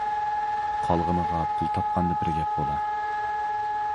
قالغىنىغا پۇل تاپقاندا بىر گەپ بولا.